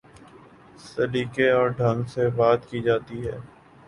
سلیقے اور ڈھنگ سے بات کی جاتی ہے۔